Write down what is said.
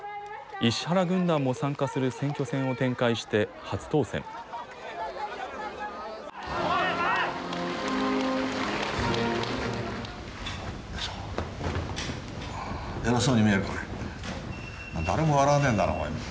石原軍団も参加する選挙戦を展開して初当選。